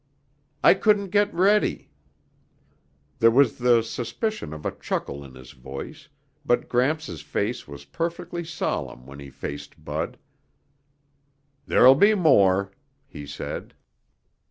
"I couldn't get ready." There was the suspicion of a chuckle in his voice, but Gramps' face was perfectly solemn when he faced Bud. "There'll be more," he said.